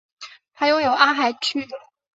它拥有阿海珐。